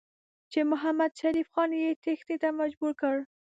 چې محمدشریف خان یې تېښتې ته مجبور کړ.